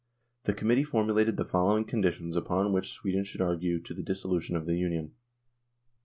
The Committee formulated the follow ing conditions upon which Sweden should argue to the dissolution of the Union.